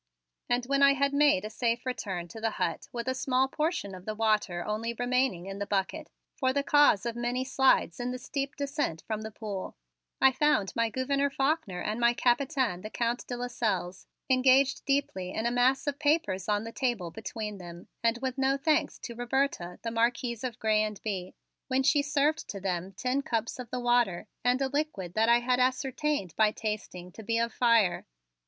And when I had made a safe return to the hut with a small portion of the water only remaining in the bucket, for the cause of many slides in the steep descent from the pool, I found my Gouverneur Faulkner and my Capitaine, the Count de Lasselles, engaged deeply in a mass of papers on the table between them and with no thanks to Roberta, the Marquise of Grez and Bye, when she served to them tin cups of the water and a liquid that I had ascertained by tasting to be of fire.